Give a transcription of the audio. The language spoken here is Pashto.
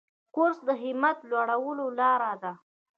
کورس د همت لوړولو لاره ده.